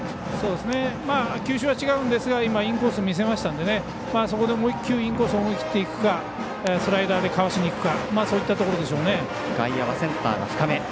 球種は違うんですがインコースを見せたのでそこでもう１球インコースを思い切っていくかスライダーで交わしにいくかそういったところでしょうね。